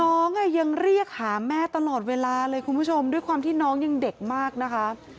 น้องยังเรียกหาแม่ตลอดเวลาเลยคุณผู้ชมด้วยความที่น้องยังเด็กมากนะคะ